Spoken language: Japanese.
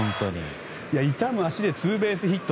痛む足でツーベースヒット。